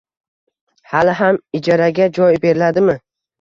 Hali ham ijaraga joy beriladimi?